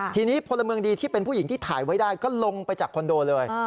ทีนี้พลเมืองดีที่เป็นผู้หญิงที่ถ่ายไว้ได้ก็ลงไปจากคอนโดเลย